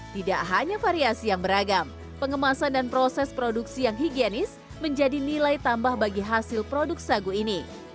tidak hanya variasi yang beragam pengemasan dan proses produksi yang higienis menjadi nilai tambah bagi hasil produk sagu ini